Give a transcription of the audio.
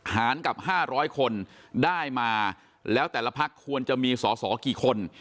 หารกับ๕๐๐คนได้มาแล้วแต่ละพักควรจะมีสอสอกี่คน